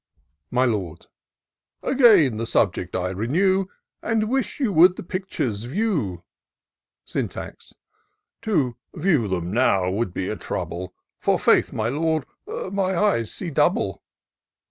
My Lord. " Again the subject I renew. And wish you would the pictures view." Syntax. " To view them now would be a trouble. For faith, my Lord, my eyes see double."